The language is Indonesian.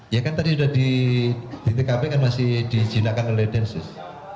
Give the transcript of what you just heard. ya kan tadi sudah di tkp kan masih dijinakkan oleh densus